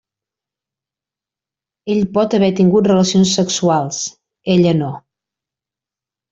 Ell pot haver tingut relacions sexuals, ella no.